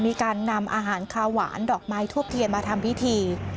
มีการนำอาหารคาหวานดอกไม้ทูบเทียนมาทำพิธี